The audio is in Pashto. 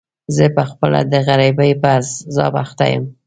زه په خپله د غريبۍ په عذاب اخته يم.